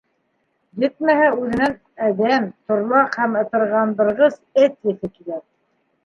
Етмәһә, үҙенән әҙәм, торлаҡ һәм ытырған- дырғыс эт еҫе килә.